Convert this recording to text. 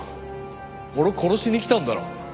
俺を殺しに来たんだろ？